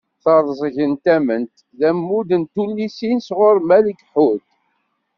"Terẓeg n tament" d ammud n tullisin sɣur Malek Ḥud.